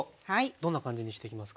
どんな感じにしていきますか？